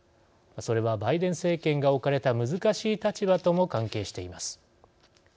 それは、バイデン政権が置かれた難しい立場とも関係しています。